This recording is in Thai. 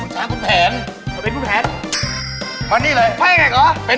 ของงานของฉายของเผล